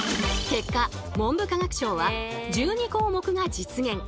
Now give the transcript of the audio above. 結果文部科学省は１２項目が実現